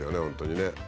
本当にね。